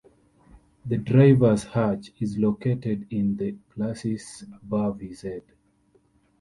The driver's hatch is located in the glacis above his head.